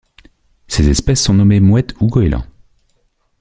Ses espèces sont nommées mouettes ou goélands.